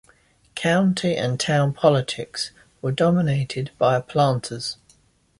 County and town politics were dominated by planters.